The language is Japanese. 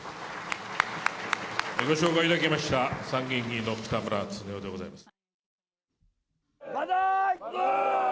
ご紹介いただきました、参議院議員の北村経夫でございます。